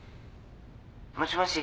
☎もしもし。